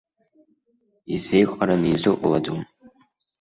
Изеиҟараны изыҟалаӡом.